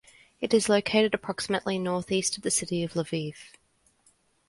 It is located approximately northeast of the city of Lviv.